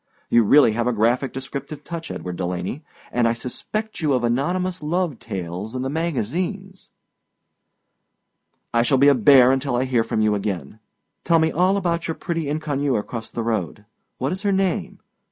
You really have a graphic descriptive touch, Edward Delaney, and I suspect you of anonymous love tales in the magazines. I shall be a bear until I hear from you again. Tell me all about your pretty inconnue across the road. What is her name?